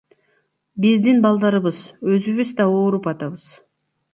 Биздин балдарыбыз, өзүбүз да ооруп атабыз.